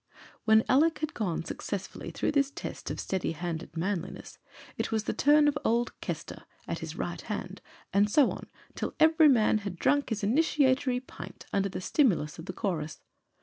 When Alick had gone successfully through this test of steady handed manliness, it was the turn of old Kester, at his right hand and so on, till every man had drunk his initiatory pint under the stimulus of the chorus.